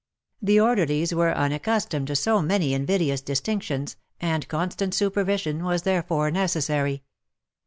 The orderlies were unaccustomed to so many invidious distinctions, and constant supervision was therefore necessary.